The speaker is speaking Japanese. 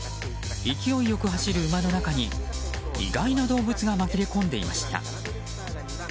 勢いよく走る馬の中に意外な動物が紛れ込んでいました。